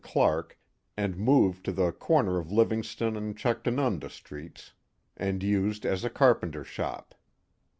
Clark and moved to the corner of Livingston and Chuctanunda Streets and used as a carpenter shop.